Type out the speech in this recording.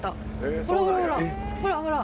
ほらほらほらほら。